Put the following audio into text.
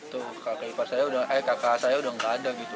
tuh kakak ipar saya udah eh kakak saya udah gak ada gitu